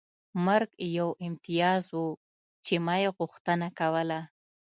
مرګ یو امتیاز و چې ما یې غوښتنه کوله